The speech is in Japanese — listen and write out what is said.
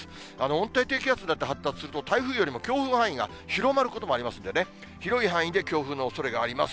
温帯低気圧になって発達すると、台風よりも強風範囲が広まることもありますんでね、広い範囲で強風のおそれがあります。